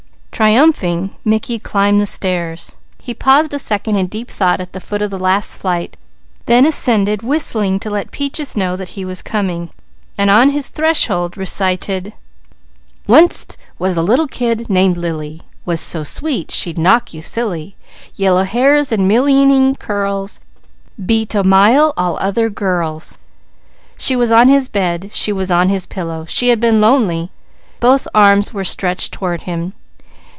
Triumphing Mickey climbed the stairs. He paused a second in deep thought at the foot of the last flight, then ascended whistling to let Peaches know that he was coming, then on his threshold recited: "_One't a little kid named Lily, Was so sweet she'd knock you silly, Yellow hair in millying curls, Beat a mile all other girls._" She was on his bed; she was on his pillow; she had been lonely; both arms were stretched toward him.